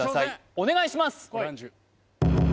お願いします